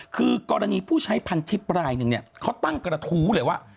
คือกรณีผู้ใช้พันทิพย์รายหนึ่งเนี่ยเขาตั้งกระทู้เลยว่า